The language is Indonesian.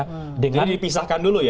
jadi dipisahkan dulu ya